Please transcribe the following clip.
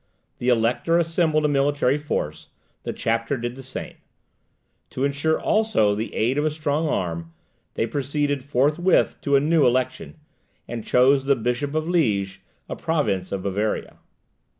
The Elector assembled a military force; the chapter did the same. To ensure also the aid of a strong arm, they proceeded forthwith to a new election, and chose the Bishop of Liege, a prince of Bavaria.